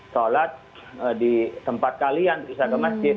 sholat di tempat kalian bisa ke masjid